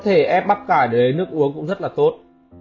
ép bắp cải để lấy nước uống cũng rất là tốt